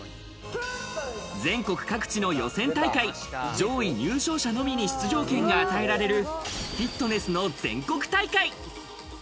全国各地の予選大会上位入賞者のみに出場権が与えられるフィットネスの全国大会。